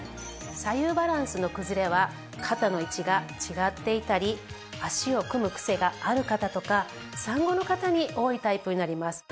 左右バランスの崩れは肩の位置が違っていたり脚を組むクセがある方とか産後の方に多いタイプになります。